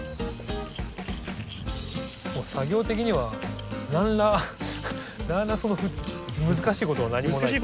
もう作業的には何ら難しいことは何もないんで。